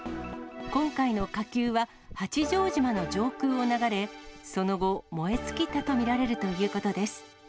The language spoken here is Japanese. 今回の火球は、八丈島の上空を流れ、その後、燃え尽きたと見られるということです。